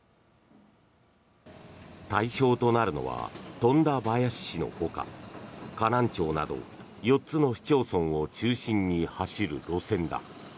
対象となるのは富田林市のほか、河南町など４つの市町村を中心に走る路線だ。